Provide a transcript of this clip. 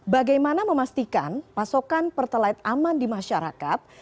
bagaimana memastikan pasokan pertalite aman di masyarakat